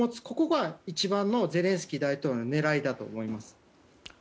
ここが一番のゼレンスキー大統領の狙いだと思います。